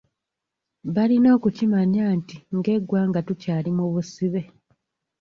Balina okukimanya nti ng'eggwanga tukyali mu busibe.